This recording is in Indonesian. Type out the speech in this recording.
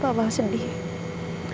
pernah papa dengar saya ingin mencerahkan andi